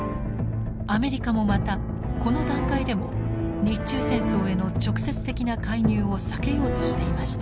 アメリカもまたこの段階でも日中戦争への直接的な介入を避けようとしていました。